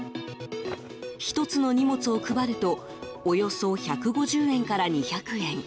１つの荷物を配るとおよそ１５０円から２００円。